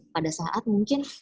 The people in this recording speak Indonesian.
pada saat mungkin